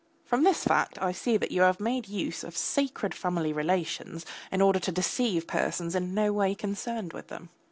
From this fact I see that you have made use of sacred family relations in order to deceive persons in no way concerned with them.